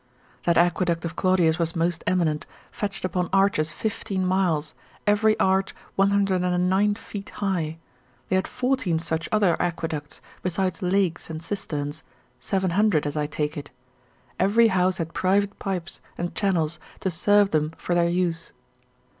That aqueduct of Claudius was most eminent, fetched upon arches fifteen miles, every arch 109 feet high: they had fourteen such other aqueducts, besides lakes and cisterns, 700 as I take it; every house had private pipes and channels to serve them for their use.